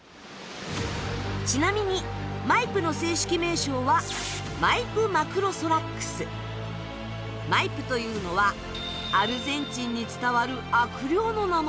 ちなみにマイプの正式名称はマイプというのはアルゼンチンに伝わる悪霊の名前。